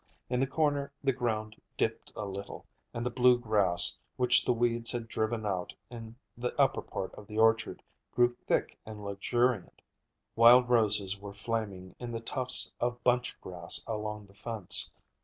In this corner the ground dipped a little, and the blue grass, which the weeds had driven out in the upper part of the orchard, grew thick and luxuriant. Wild roses were flaming in the tufts of bunchgrass along the fence.